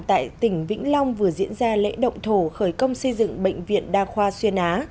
tại tỉnh vĩnh long vừa diễn ra lễ động thổ khởi công xây dựng bệnh viện đa khoa xuyên á